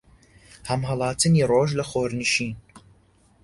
هەم هەڵاتنی ڕۆژ لە خۆرنشین